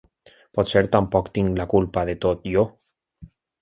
Potser tampoc tinc la culpa de tot, jo.